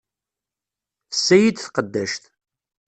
Tessa-yi-d tqeddact.